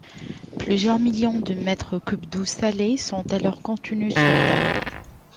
Plusieurs millions de mètres cubes d'eau salée sont alors contenus sous terre.